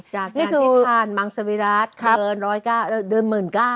จากการที่ทานมังสวิรัติเดิน๑๙๐๐๐